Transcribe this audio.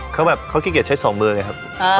เขาแบบเขาขี้เกียจใช้๒มือแหละ